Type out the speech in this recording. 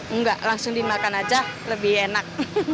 enggak langsung dimakan aja lebih enak